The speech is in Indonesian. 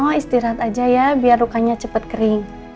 panino istirahat aja ya biar rukanya cepet kering